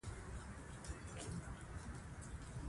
افغانستان د بادام لپاره مشهور دی.